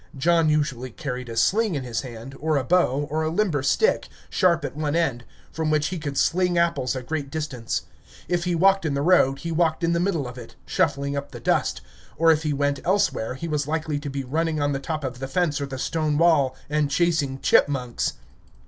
John usually carried a sling in his hand, or a bow, or a limber stick, sharp at one end, from which he could sling apples a great distance. If he walked in the road, he walked in the middle of it, shuffling up the dust; or if he went elsewhere, he was likely to be running on the top of the fence or the stone wall, and chasing chipmunks.